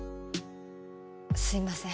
すいません